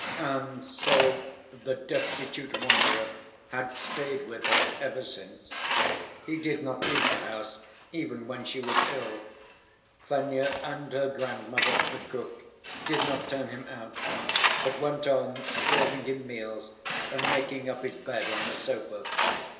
And so the destitute wanderer had stayed with her ever since. He did not leave the house even when she was ill. Fenya and her grandmother, the cook, did not turn him out, but went on serving him meals and making up his bed on the sofa.